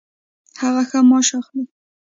هغه ښه معاش اخلي